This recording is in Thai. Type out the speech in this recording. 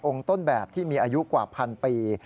ต้นแบบที่มีอายุกว่าพันปี